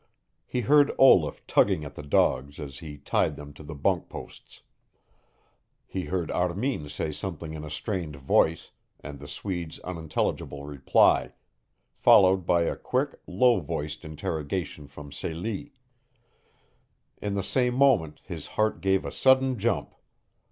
He heard Olaf tugging at the dogs as he tied them to the bunk posts; he heard Armin say something in a strained voice, and the Swede's unintelligible reply, followed by a quick, low voiced interrogation from Celie. In the same moment his heart gave a sudden jump.